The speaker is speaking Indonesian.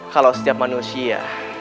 kalau setiap manusia